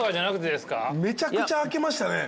めちゃくちゃ開けましたね。